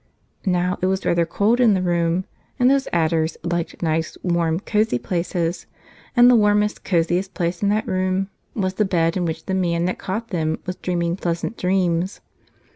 Now, it was rather cold in the room and those adders liked nice warm, cozy places ; and the warmest, coziest place in that room was the bed in which the man that caught them was dreaming pleasant dreams.